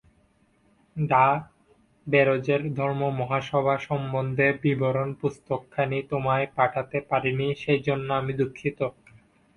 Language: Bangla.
ডা ব্যারোজের ধর্মমহাসভা সম্বন্ধে বিবরণ-পুস্তকখানি তোমায় পাঠাতে পারিনি, সেইজন্য আমি দুঃখিত।